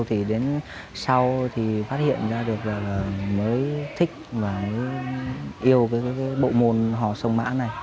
thì đến sau thì phát hiện ra được là mới thích và yêu cái bộ môn hòa sông mã này